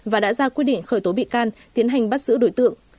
và đã ra quyết định khởi tố bị can tiến hành bắt giữ đối tượng